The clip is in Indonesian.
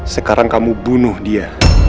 sekarang kamu bunuh dia